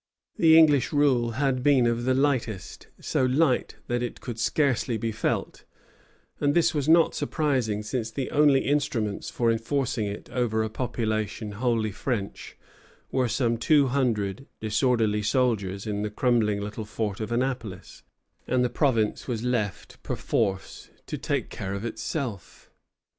] The English rule had been of the lightest, so light that it could scarcely be felt; and this was not surprising, since the only instruments for enforcing it over a population wholly French were some two hundred disorderly soldiers in the crumbling little fort of Annapolis; and the province was left, perforce, to take care of itself.